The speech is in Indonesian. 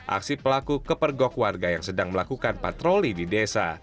aksi pelaku kepergok warga yang sedang melakukan patroli di desa